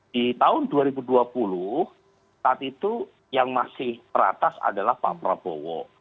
di tahun dua ribu dua puluh saat itu yang masih teratas adalah pak prabowo